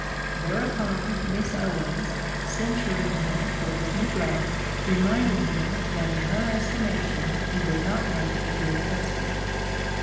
Thereupon Miss Owens, censuring him for his neglect, reminded him that in her estimation he would not make a good husband.